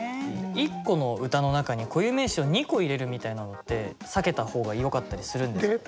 １個の歌の中に固有名詞を２個入れるみたいなのって避けた方がよかったりするんですか？